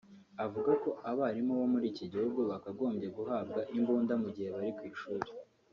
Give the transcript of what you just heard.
avuga ko abarimu bo muri iki gihugu bakagombye guhabwa imbunda mu gihe bari ku ishuli